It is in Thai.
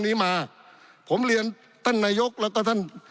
ปี๑เกณฑ์ทหารแสน๒